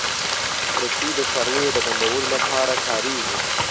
رسۍ د څارویو د بندولو لپاره کارېږي.